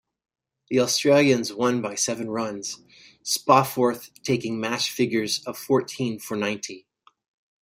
The Australians won by seven runs, Spofforth taking match figures of fourteen for ninety.